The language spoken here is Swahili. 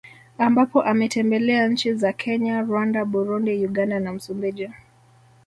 Ambapo ametembelea nchi za Kenya Rwanda Burundi Uganda na Msumbiji